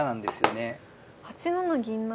８七銀成。